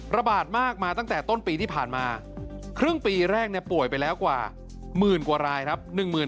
ระบาดมากมาตั้งแต่ต้นปีที่ผ่านมาครึ่งปีแรกป่วยไปแล้วกว่าหมื่นกว่ารายครับ